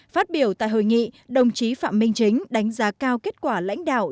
phát biểu tại hội nghị đồng chí phạm minh chính đánh giá cao kết quả lãnh đạo